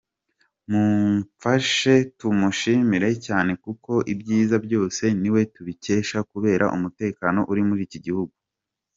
Mumfashe tumushimire cyane kuko ibyiza byose niwe tubikesha kubera umutekano uri muri iki gihugu.